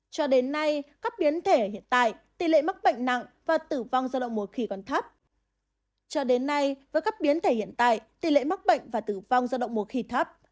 cho đến nay với các biến thể hiện tại tỷ lệ mắc bệnh nặng và tử vong do động mùa khỉ còn thấp